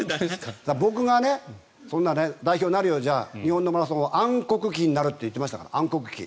僕が代表になるようじゃ日本のマラソンは暗黒期になるって言ってましたから。